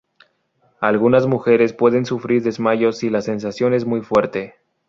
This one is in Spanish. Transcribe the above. Algunas mujeres pueden sufrir desmayos si la sensación es muy fuerte.